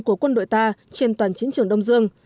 của quân đội ta trên toàn chiến trường đông dương